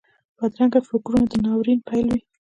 بدرنګه فکرونه د ناورین پیل وي